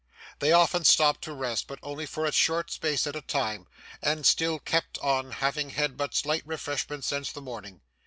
They often stopped to rest, but only for a short space at a time, and still kept on, having had but slight refreshment since the morning.